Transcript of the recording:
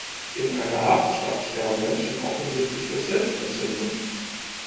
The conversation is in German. In einer Hafenstadt sterben Menschen offensichtlich durch Selbstentzündung.